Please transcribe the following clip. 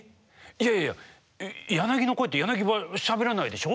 いやいやヤナギの声ってヤナギはしゃべらないでしょ？